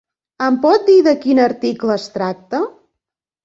Em pot dir de quin article es tracta?